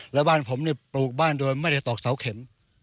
แล้วบ้านผมปลูกบ้านโดยไม่ได้ตอกเสาเข็ม